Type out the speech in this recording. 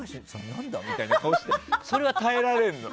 みたいな顔してそれは耐えられるの。